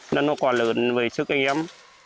nó có lợn với sức anh em